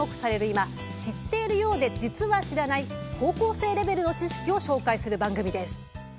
今知っているようで実は知らない高校生レベルの知識を紹介する番組です。